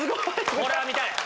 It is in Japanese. これは見たい！